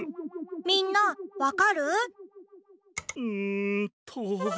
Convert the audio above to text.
みんなわかる？んと。